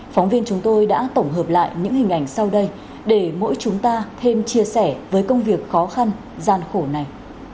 phóng viên chúng tôi đã tổng hợp lại những hình ảnh sau đây để mỗi chúng ta thêm chia sẻ với công việc khó khăn gian khổ này